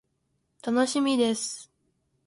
楽しみです。